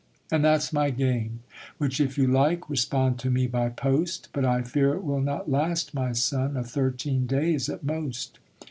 And that's my game, which if you like, respond to me by post; But I fear it will not last, my son, a thirteen days at most.